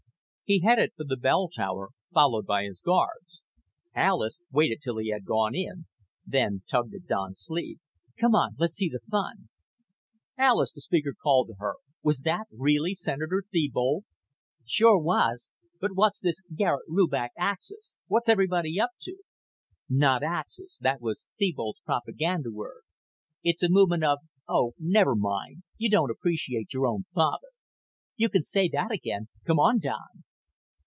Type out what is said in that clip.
He headed for the bell tower, followed by his guards. Alis waited till he had gone in, then tugged at Don's sleeve. "Come on. Let's see the fun." "Alis," the speaker called to her, "was that really Senator Thebold?" "Sure was. But what's this Garet Rubach Axis? What's everybody up to?" "Not Axis. That was Thebold's propaganda word. It's a movement of oh, never mind. You don't appreciate your own father." "You can say that again. Come on, Don."